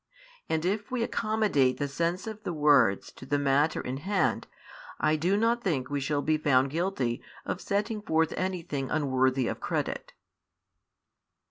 And if we accommodate the sense of the words to the matter in hand, I do not think we shall be found guilty of setting forth anything unworthy of credit.